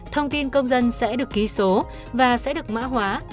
thông tin công dân sẽ được ký số và sẽ được mã hóa